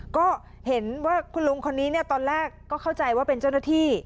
ก็เห็นว่าคุณลุงคนนี้ตอนแรกก็เข้าใจว่าเป็นเจ้าหน้าที่